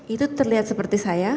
itu terlihat seperti saya